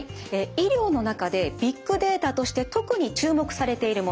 医療の中でビッグデータとして特に注目されているもの